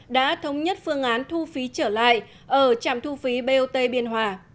đã thống nhất phương án thu phí trở lại ở trạm thu phí bot biên hòa